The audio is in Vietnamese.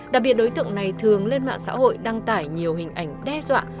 đặc biệt đối tượng này thường lên mạng xã hội đăng tải nhiều hình ảnh đe dọa